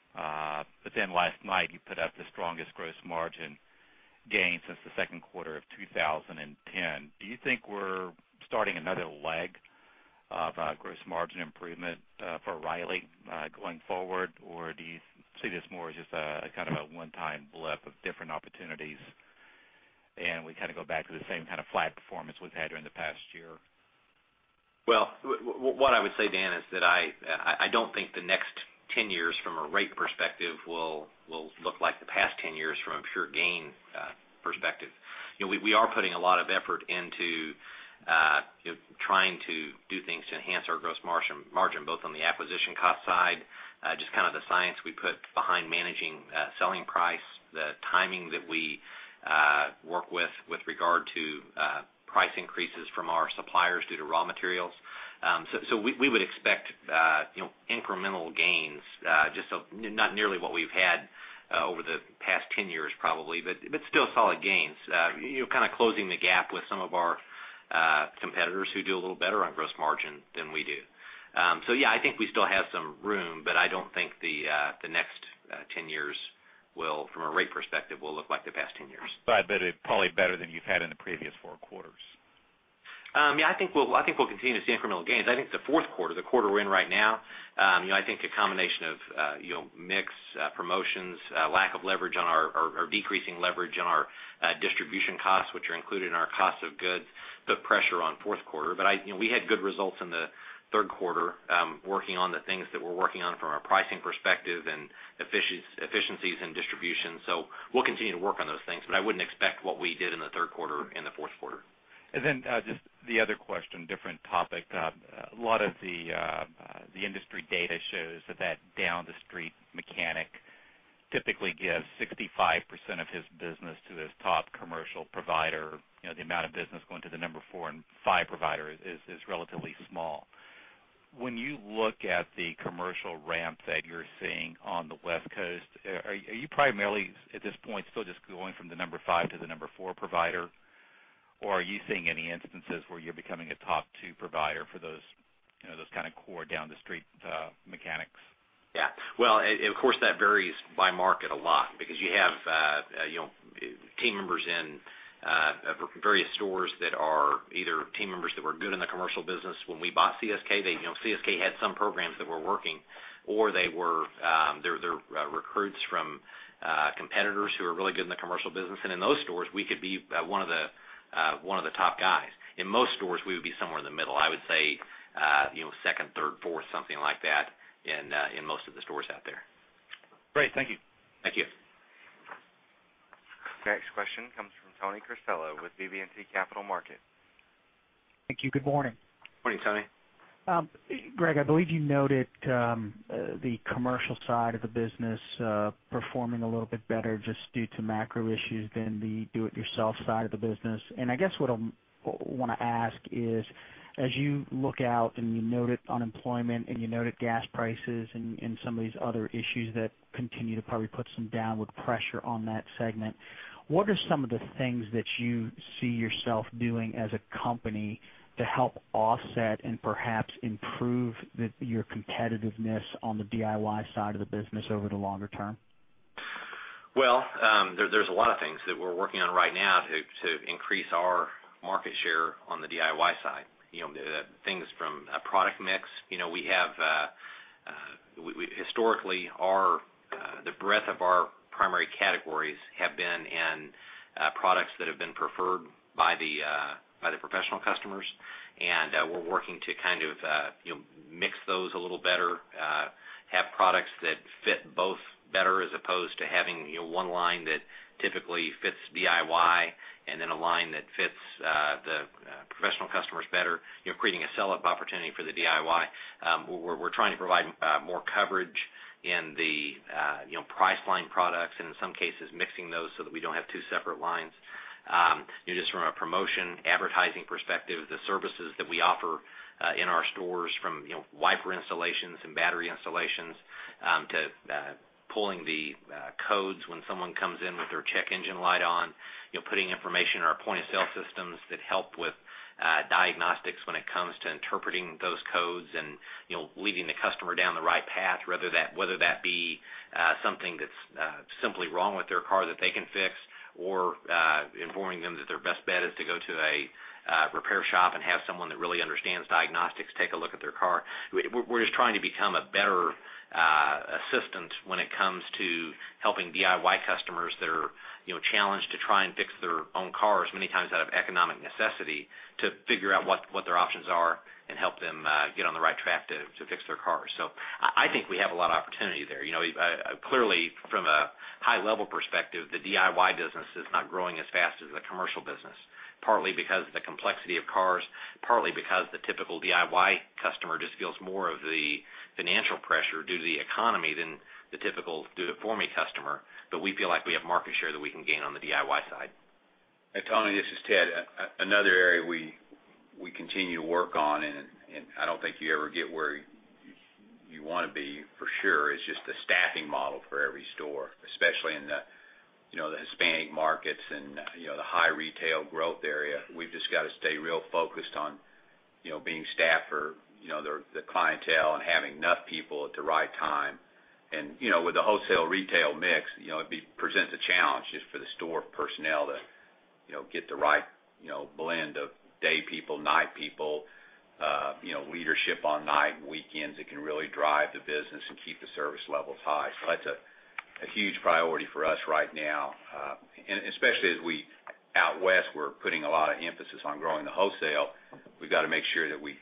Last night, you put up the strongest gross margin gain since the second quarter of 2010. Do you think we're starting another leg of gross margin improvement for O'Reilly Automotive going forward, or do you see this more as just a kind of a one-time blip of different opportunities and we kind of go back to the same kind of flat performance we've had during the past year? I don't think the next 10 years from a rate perspective will look like the past 10 years from a pure gain perspective. We are putting a lot of effort into trying to do things to enhance our gross margin both on the acquisition cost side, just kind of the science we put behind managing selling price, the timing that we work with with regard to price increases from our suppliers due to raw materials. We would expect incremental gains, just not nearly what we've had over the past 10 years probably, but still solid gains. Kind of closing the gap with some of our competitors who do a little better on gross margin than we do. I think we still have some room, but I don't think the next 10 years will, from a rate perspective, look like the past 10 years. It is probably better than you've had in the previous four quarters. Yeah, I think we'll continue to see incremental gains. I think the fourth quarter, the quarter we're in right now, I think a combination of mix promotions, lack of leverage on our decreasing leverage on our distribution costs, which are included in our cost of goods, put pressure on fourth quarter. I, you know, we had good results in the third quarter working on the things that we're working on from a pricing perspective and efficiencies in distribution. We'll continue to work on those things, but I wouldn't expect what we did in the third quarter in the fourth quarter. A lot of the industry data shows that that down-the-street mechanic typically gives 65% of his business to his top commercial provider. The amount of business going to the number four and five provider is relatively small. When you look at the commercial ramp that you're seeing on the West Coast, are you primarily at this point still just going from the number five to the number four provider, or are you seeing any instances where you're becoming a top two provider for those, you know, those kind of core down-the-street mechanics? Of course, that varies by market a lot because you have team members in various stores that are either team members that were good in the commercial business when we bought CSK. CSK had some programs that were working, or they were recruits from competitors who are really good in the commercial business. In those stores, we could be one of the top guys. In most stores, we would be somewhere in the middle. I would say second, third, fourth, something like that in most of the stores out there. Great. Thank you. Thank you. Next question comes from Tony Cristello with BB&T Capital Markets. Thank you. Good morning. Morning, Tony. Greg, I believe you noted the commercial side of the business performing a little bit better just due to macro issues than the do-it-yourself side of the business. I guess what I want to ask is, as you look out and you noted unemployment and you noted gas prices and some of these other issues that continue to probably put some downward pressure on that segment, what are some of the things that you see yourself doing as a company to help offset and perhaps improve your competitiveness on the DIY side of the business over the longer term? There are a lot of things that we're working on right now to increase our market share on the DIY side. You know, things from a product mix. You know, we have historically, the breadth of our primary categories have been in products that have been preferred by the professional customers. We're working to kind of, you know, mix those a little better, have products that fit both better as opposed to having, you know, one line that typically fits DIY and then a line that fits the professional customers better, creating a sell-up opportunity for the DIY. We're trying to provide more coverage in the, you know, price line products and in some cases mixing those so that we don't have two separate lines. Just from a promotion advertising perspective, the services that we offer in our stores from, you know, wiper installations and battery installations to pulling the codes when someone comes in with their check engine light on, putting information in our point-of-sale systems that help with diagnostics when it comes to interpreting those codes and, you know, leading the customer down the right path, whether that be something that's simply wrong with their car that they can fix or informing them that their best bet is to go to a repair shop and have someone that really understands diagnostics take a look at their car. We're just trying to become a better assistant when it comes to helping DIY customers that are, you know, challenged to try and fix their own cars many times out of economic necessity to figure out what their options are and help them get on the right track to fix their cars. I think we have a lot of opportunity there. You know, clearly, from a high-level perspective, the DIY business is not growing as fast as the commercial business, partly because of the complexity of cars, partly because the typical DIY customer just feels more of the financial pressure due to the economy than the typical do-it-for-me customer. We feel like we have market share that we can gain on the DIY side. Hey, Tony, this is Ted. Another area we continue to work on, and I don't think you ever get where you want to be for sure, is just the staffing model for every store, especially in the Hispanic markets and the high retail growth area. We've just got to stay real focused on being staffed for the clientele and having enough people at the right time. With the wholesale retail mix, it presents a challenge just for the store personnel to get the right blend of day people, night people, leadership on night and weekends that can really drive the business and keep the service levels high. That's a huge priority for us right now. Especially as we out West, we're putting a lot of emphasis on growing the wholesale. We've got to make sure that we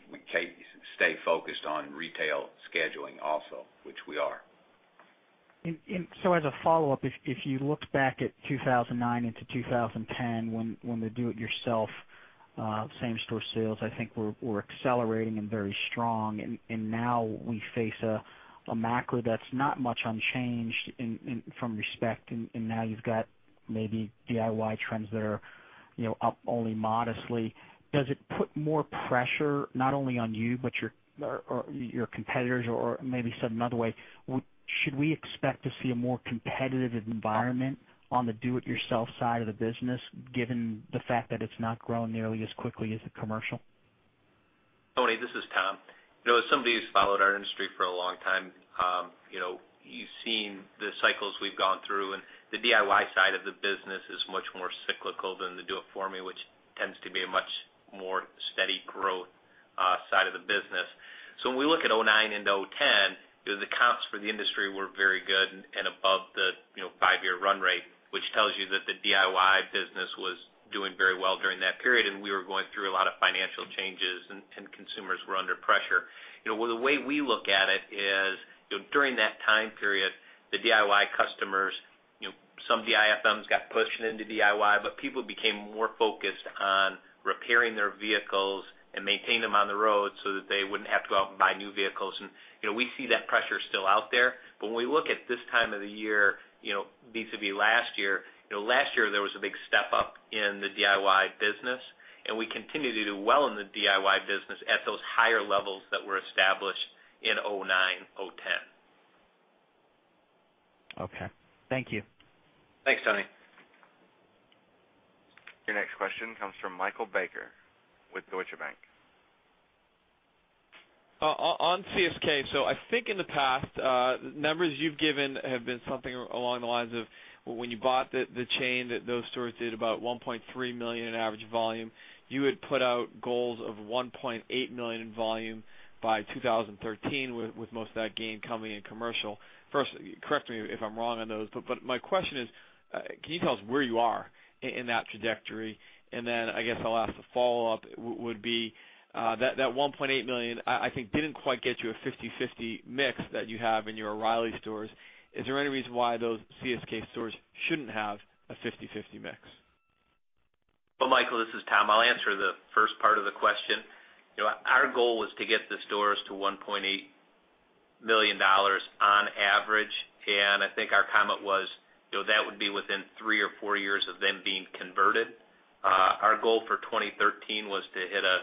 stay focused on retail scheduling also, which we are. If you look back at 2009 into 2010 when the do-it-yourself same-store sales, I think were accelerating and very strong. Now we face a macro that's not much unchanged from that respect. Now you've got maybe DIY trends that are, you know, up only modestly. Does it put more pressure not only on you, but your competitors or maybe said another way, should we expect to see a more competitive environment on the do-it-yourself side of the business given the fact that it's not growing nearly as quickly as the commercial? Tony, this is Tom. As somebody who's followed our industry for a long time, you've seen the cycles we've gone through. The DIY side of the business is much more cyclical than the DIFM, which tends to be a much more steady growth side of the business. When we look at 2009 into 2010, the comps for the industry were very good and above the five-year run rate, which tells you that the DIY business was doing very well during that period. We were going through a lot of financial changes and consumers were under pressure. The way we look at it is, during that time period, the DIY customers, some DIFMs got pushed into DIY, but people became more focused on repairing their vehicles and maintaining them on the road so that they wouldn't have to go out and buy new vehicles. We see that pressure still out there. When we look at this time of the year, vis-a-vis last year, last year there was a big step up in the DIY business. We continue to do well in the DIY business at those higher levels that were established in 2009, 2010. Okay, thank you. Thanks, Tony. Your next question comes from Michael Baker with Deutsche Bank. On CSK. I think in the past, the numbers you've given have been something along the lines of when you bought the chain that those stores did about $1.3 million in average volume. You had put out goals of $1.8 million in volume by 2013, with most of that gain coming in commercial. First, correct me if I'm wrong on those, but my question is, can you tell us where you are in that trajectory? I guess I'll ask the follow-up would be that $1.8 million, I think, didn't quite get you a 50/50 mix that you have in your O'Reilly stores. Is there any reason why those CSK stores shouldn't have a 50/50 mix? Michael, this is Tom. I'll answer the first part of the question. You know, our goal was to get the stores to $1.8 million on average. I think our comment was, you know, that would be within three or four years of them being converted. Our goal for 2013 was to hit a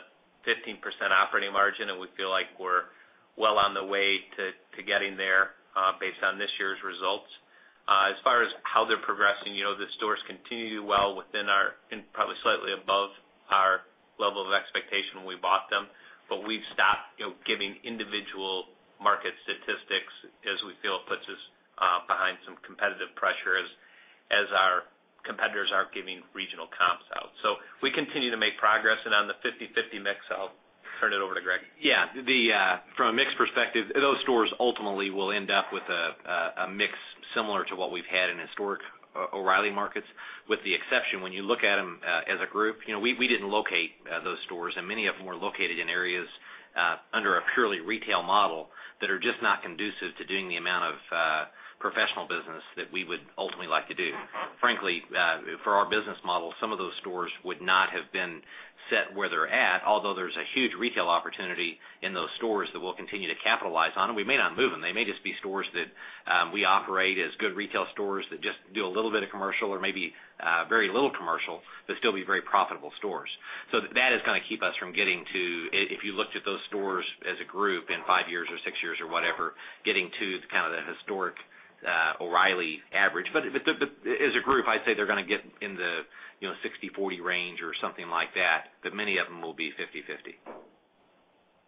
15% operating margin, and we feel like we're well on the way to getting there based on this year's results. As far as how they're progressing, the stores continue to do well within our and probably slightly above our level of expectation when we bought them. We've stopped giving individual market statistics as we feel it puts us behind some competitive pressure as our competitors aren't giving regional comps out. We continue to make progress. On the 50/50 mix, I'll turn it over to Greg. Yeah, from a mix perspective, those stores ultimately will end up with a mix similar to what we've had in historic O'Reilly markets, with the exception when you look at them as a group. We didn't locate those stores, and many of them were located in areas under a purely retail model that are just not conducive to doing the amount of professional business that we would ultimately like to do. Frankly, for our business model, some of those stores would not have been set where they're at, although there's a huge retail opportunity in those stores that we'll continue to capitalize on. We may not move them. They may just be stores that we operate as good retail stores that just do a little bit of commercial or maybe very little commercial, but still be very profitable stores. That is going to keep us from getting to, if you looked at those stores as a group in five years or six years or whatever, getting to kind of that historic O'Reilly Automotive average. As a group, I'd say they're going to get in the 60/40 range or something like that, but many of them will be 50/50.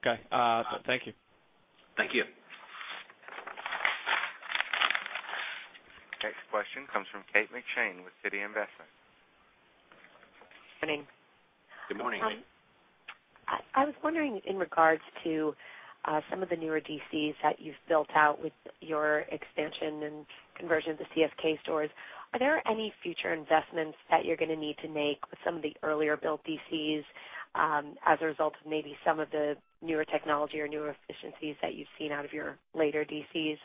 Okay, thank you. Thank you. Next question comes from Kate McShane with Citi Investiment. Good morning. Good morning. I was wondering in regards to some of the newer DCs that you've built out with your expansion and conversion of the CSK stores, are there any future investments that you're going to need to make with some of the earlier-built DCs as a result of maybe some of the newer technology or newer efficiencies that you've seen out of your later DCs?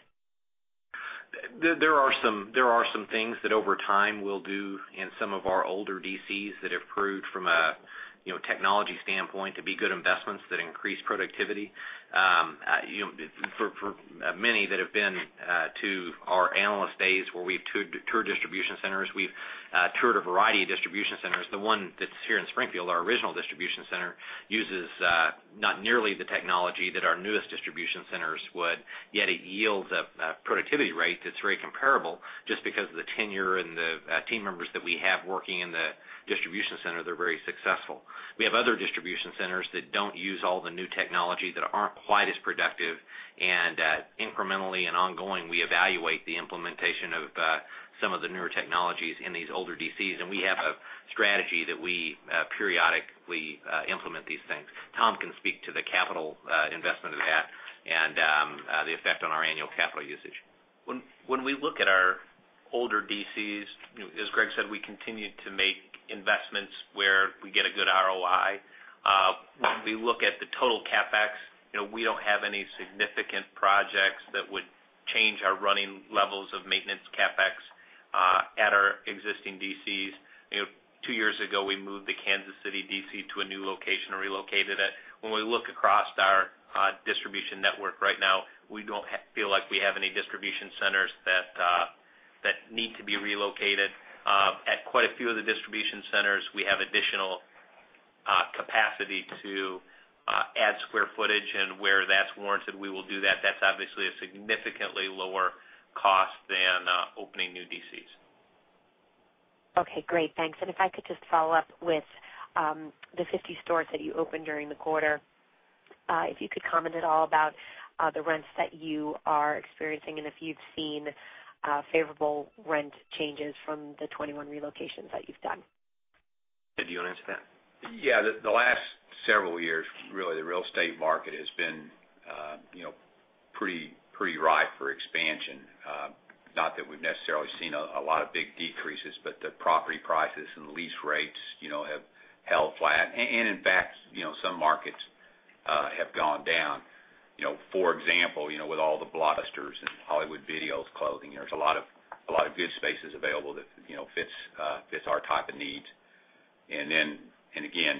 There are some things that over time we'll do in some of our older DCs that have proved from a technology standpoint to be good investments that increase productivity. For many that have been to our analyst days where we've toured distribution centers, we've toured a variety of distribution centers. The one that's here in Springfield, our original distribution center, uses not nearly the technology that our newest distribution centers would, yet it yields a productivity rate that's very comparable just because of the tenure and the team members that we have working in the distribution center. They're very successful. We have other distribution centers that don't use all the new technology that aren't quite as productive. Incrementally and ongoing, we evaluate the implementation of some of the newer technologies in these older DCs. We have a strategy that we periodically implement these things. Tom can speak to the capital investment of that and the effect on our annual capital usage. When we look at our older DCs, as Greg said, we continue to make investments where we get a good ROI. We look at the total CapEx. We don't have any significant projects that would change our running levels of maintenance CapEx at our existing DCs. Two years ago, we moved the Kansas City DC to a new location and relocated it. When we look across our distribution network right now, we don't feel like we have any distribution centers that need to be relocated. At quite a few of the distribution centers, we have additional capacity to add square footage, and where that's warranted, we will do that. That's obviously a significantly lower cost than opening new DCs. Okay. Great. Thanks. If I could just follow up with the 50 stores that you opened during the quarter, if you could comment at all about the rents that you are experiencing and if you've seen favorable rent changes from the 21 relocations that you've done. Ted, do you want to answer that? Yeah. The last several years, really, the real estate market has been pretty ripe for expansion. Not that we've necessarily seen a lot of big decreases, but the property prices and the lease rates have held flat. In fact, some markets have gone down. For example, with all the Blockbusters and Hollywood Videos closing, there's a lot of good spaces available that fit our type of needs.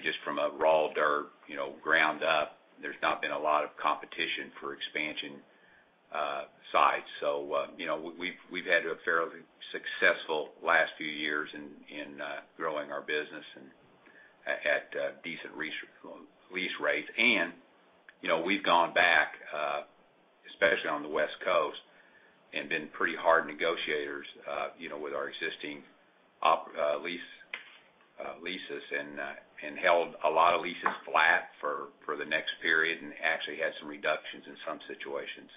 Just from a raw dirt, ground up, there's not been a lot of competition for expansion sites. We've had a fairly successful last few years in growing our business and at decent lease rates. We've gone back, especially on the West Coast, and been pretty hard negotiators with our existing leases and held a lot of leases flat for the next period and actually had some reductions in some situations.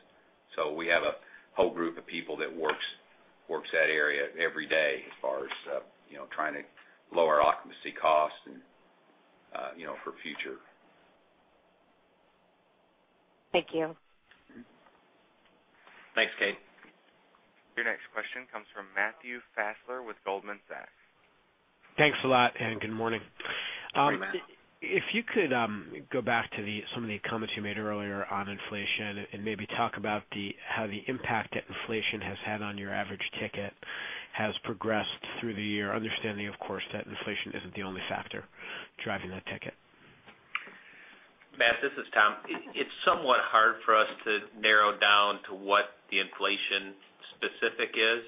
We have a whole group of people that works that area every day as far as trying to lower our occupancy cost for future. Thank you. Thanks, Kate. Your next question comes from Matthew Fassler with Goldman Sachs. Thanks a lot, and good morning. Thank you, Matt. If you could go back to some of the comments you made earlier on inflation and maybe talk about how the impact that inflation has had on your average ticket has progressed through the year, understanding, of course, that inflation isn't the only factor driving that ticket. Matt, this is Tom. It's somewhat hard for us to narrow down to what the inflation specific is.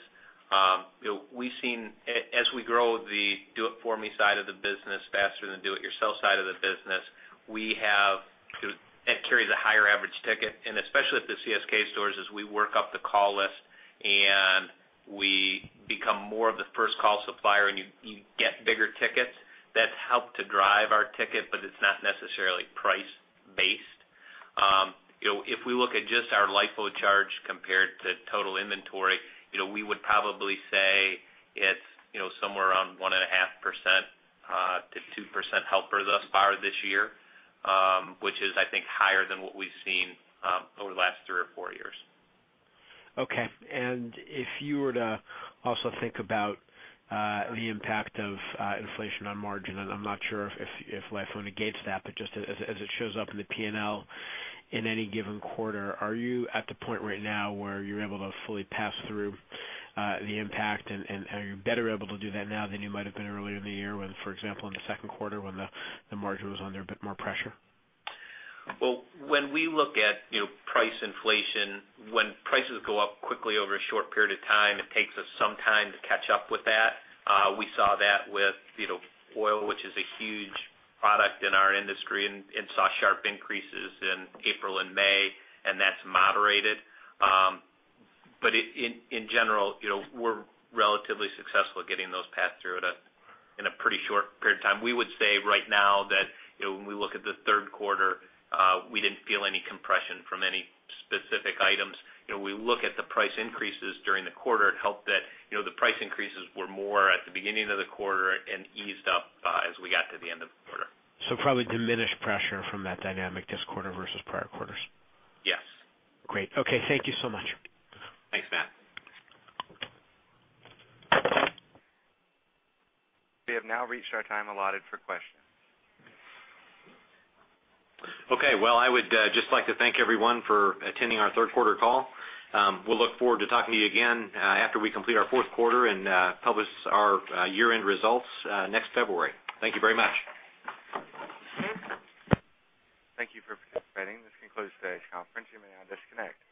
We've seen, as we grow the DIFM side of the business faster than the do-it-yourself side of the business, we have, and it carries a higher average ticket. Especially at the CSK stores as we work up the call list and we become more of the first call supplier and you get bigger tickets, that's helped to drive our ticket, but it's not necessarily price-based. If we look at just our LIFO charge compared to total inventory, we would probably say it's somewhere around 1.5%-2% helper thus far this year, which is, I think, higher than what we've seen over the last three or four years. Okay. If you were to also think about the impact of inflation on margin, and I'm not sure if LIFO negates that, just as it shows up in the P&L in any given quarter, are you at the point right now where you're able to fully pass through the impact, and are you better able to do that now than you might have been earlier in the year, for example, in the second quarter when the margin was under a bit more pressure? When we look at price inflation, when prices go up quickly over a short period of time, it takes us some time to catch up with that. We saw that with, you know, oil, which is a huge product in our industry and saw sharp increases in April and May, and that's moderated. In general, you know, we're relatively successful at getting those passed through in a pretty short period of time. We would say right now that, you know, when we look at the third quarter, we didn't feel any compression from any specific items. We look at the price increases during the quarter. It helped that, you know, the price increases were more at the beginning of the quarter and eased up as we got to the end of the quarter. It is probably diminished pressure from that dynamic this quarter versus prior quarters. Yes. Great. Okay, thank you so much. Thanks, Matt. We have now reached our time allotted for questions. Okay. I would just like to thank everyone for attending our Third Quarter Call. We'll look forward to talking to you again after we complete our fourth quarter and publish our year-end results next February. Thank you very much. Thank you for participating. This concludes today's conference. You may now disconnect.